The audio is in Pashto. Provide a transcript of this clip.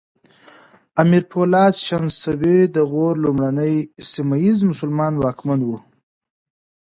امیر پولاد شنسبی د غور لومړنی سیمه ییز مسلمان واکمن و